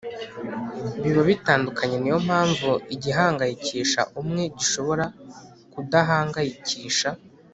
biba bitandukanye Ni yo mpamvu igihangayikisha umwe gishobora kudahangayikisha